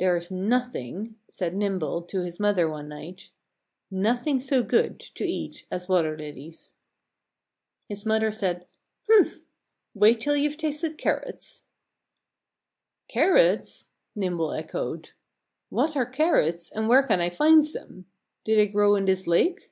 "There's nothing," said Nimble to his mother one night, "nothing so good to eat as water lilies." His mother said, "Humph! Wait till you've tasted carrots!" "Carrots!" Nimble echoed. "What are carrots and where can I find some? Do they grow in this lake?"